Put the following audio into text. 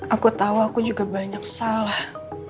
aku tahu aku juga banyak salah